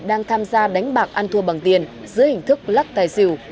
đang tham gia đánh bạc ăn thua bằng tiền dưới hình thức lắc tài xỉu